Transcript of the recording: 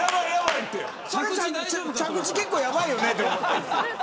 着地、結構やばいよねと。